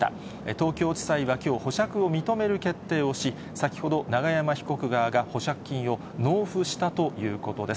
東京地裁はきょう、保釈を認める決定をし、先ほど、永山被告側が保釈金を納付したということです。